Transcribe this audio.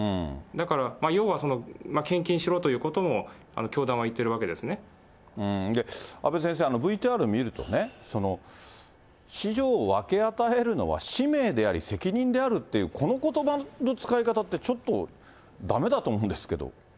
だから要は、献金しろということも、阿部先生、ＶＴＲ見るとね、子女を分け与えるのは使命であり、責任であるという、このことばの使い方ってちょっとだめだと思うんですけど。